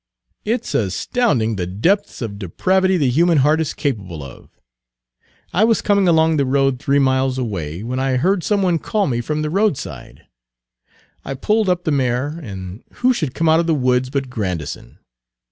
"It 's astounding, the depths of depravity the human heart is capable of! I was coming along the road three miles away, when I heard some one call me from the roadside. Page 198 I pulled up the mare, and who should come out of the woods but Grandison.